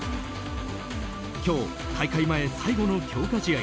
今日、大会前最後の強化試合